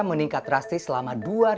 meningkat drastis selama dua ribu dua puluh